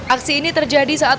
aksi ini terjadi saat